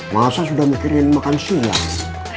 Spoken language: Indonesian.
masa sudah mikirin makan siang